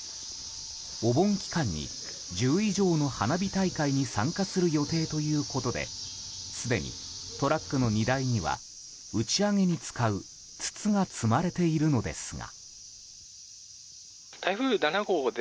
お盆期間に１０以上の花火大会に参加する予定ということですでに、トラックの荷台には打ち上げに使う筒が積まれているのですが。